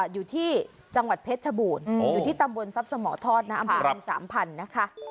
อยู่ที่จังหวัดเพชรชบูรอยู่ที่ตำบวนทรัพย์สะหมอทอดประมาณ๓๐๐๐บาทนะคะ